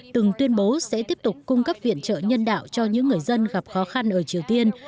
từng tuyên bố sẽ tiếp tục cung cấp viện trợ nhân đạo cho những người dân gặp khó khăn ở triều tiên